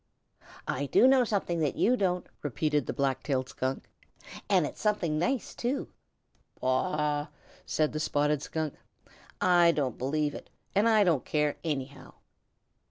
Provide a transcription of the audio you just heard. "I do know something that you don't," repeated the Black tailed Skunk, "and it's something nice, too." "Aw!" said the Spotted Skunk. "I don't believe it, and I don't care anyhow."